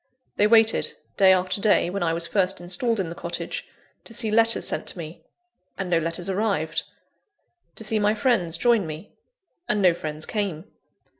They waited, day after day, when I was first installed in the cottage, to see letters sent to me and no letters arrived: to see my friends join me and no friends came.